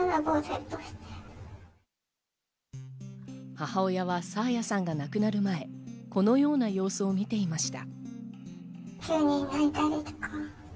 母親は爽彩さんが亡くなる前、このような様子を見ていました。